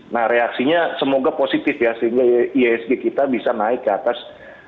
nah reaksinya semoga positif ya sehingga ihsg kita bisa naik ke atas